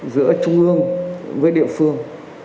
giữa trung ương với địa phương